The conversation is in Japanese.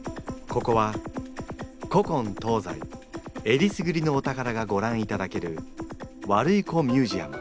ここは古今東西えりすぐりのお宝がごらんいただけるワルイコミュージアム。